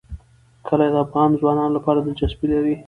کلي د افغان ځوانانو لپاره دلچسپي لري.